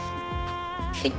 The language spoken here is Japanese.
はい。